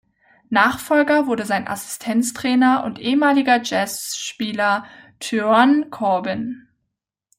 Nachfolger wurde sein Assistenztrainer und ehemaliger Jazz-Spieler Tyrone Corbin.